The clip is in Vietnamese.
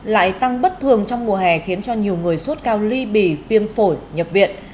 lại tăng bất thường trong mùa hè khiến cho nhiều người sốt cao ly bì viêm phổi nhập viện